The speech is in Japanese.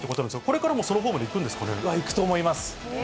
これからもそのフォームでいくんいくと思います。